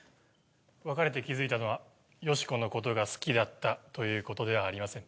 別れて気づいたのはヨシコのことが好きだったということではありません。